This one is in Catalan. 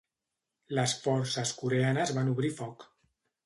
Les forces coreanes van obrir foc.